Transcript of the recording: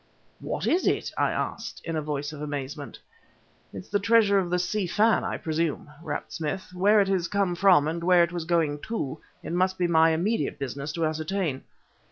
"What is it?" I asked, in a voice of amazement. "It's the treasure of the Si Fan, I presume," rapped Smith. "Where it has come from and where it was going to, it must be my immediate business to ascertain."